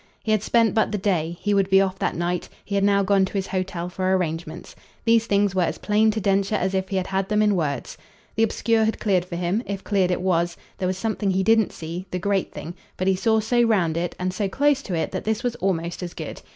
He had spent but the day; he would be off that night; he had now gone to his hotel for arrangements. These things were as plain to Densher as if he had had them in words. The obscure had cleared for him if cleared it was; there was something he didn't see, the great thing; but he saw so round it and so close to it that this was almost as good.